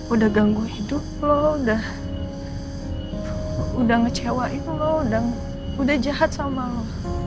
udah ganggu hidup lo udah ngecewa itu lo udah jahat sama lo